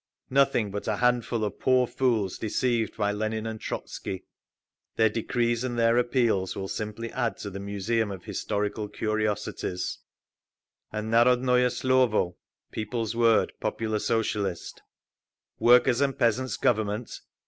Nothing but a handful of poor fools deceived by Lenin and Trotzky…. Their decrees and their appeals will simply add to the museum of historical curiosities…. And _Narodnoye Slovo_(People's Word Populist Socialist): "Workers' and Peasants' Government?"